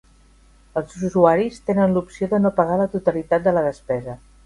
Els usuaris tenen l'opció de no pagar la totalitat de la despesa.